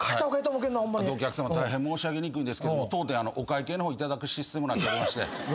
あとお客さま大変申し上げにくいんですけど当店お会計の方頂くシステムになっておりまして。